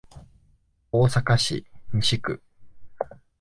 大阪市西区